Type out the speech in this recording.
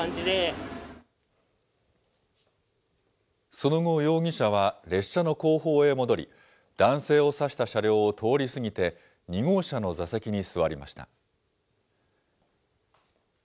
その後、容疑者は列車の後方へ戻り、男性を刺した車両を通り過ぎて、２号車の座席に座りました。